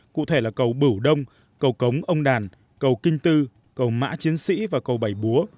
cụ thể là cầu bửu đông cầu cống ông đàn cầu kinh tư cầu mã chiến sĩ và cầu bảy búa